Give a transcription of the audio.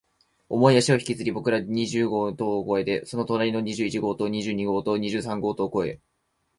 重い足を引きずり、僕らの二十号棟を越えて、その隣の二十一号棟、二十二号棟、二十三号棟を越え、